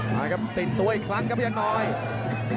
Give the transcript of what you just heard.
มาครับติดตัวอีกครั้งครับพยันน้อย